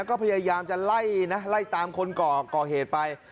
ก็พยายามจะไล่นะไล่ตามคนก่อเหตุไป